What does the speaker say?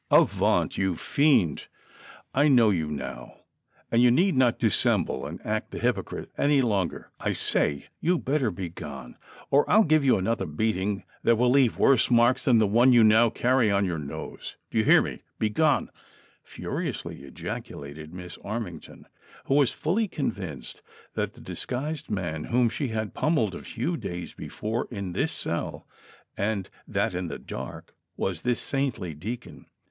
"Avaunt ! you fiend ! I know you now, and you need not dissemble and act the hypocrite any longer ! I say you had better be gone, or I'll give you another beating that will leave worse marks than the one you now carry on your nose ! Do you hear me V Be gone !" furiously ejaculated Miss Armington, who was fully convinced that the dis guised man whom she had pummelled a few days before in this cell, and that in the dark, was this saintly deacon.